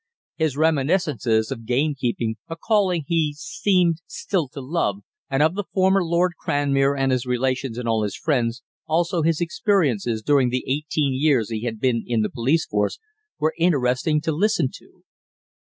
His reminiscences of game keeping a calling he seemed still to love and of the former Lord Cranmere and his relations and his friends, also his experiences during the eighteen years he had been in the police force, were interesting to listen to.